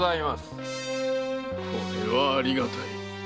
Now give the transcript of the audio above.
これはありがたい。